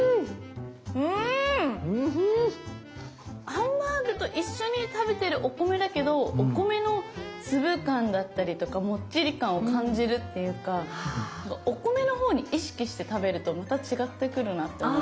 ハンバーグと一緒に食べてるお米だけどお米の粒感だったりとかもっちり感を感じるっていうかお米のほうに意識して食べるとまた違ってくるなって思いました。